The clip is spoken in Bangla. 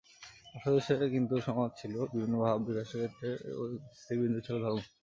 পাশ্চাত্য দেশে কিন্তু সমাজ ছিল বিভিন্ন ভাব বিকাশের ক্ষেত্র এবং স্থিরবিন্দু ছিল ধর্ম।